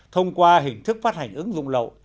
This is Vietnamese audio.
thông qua hình thức phát hành ứng dụng lậu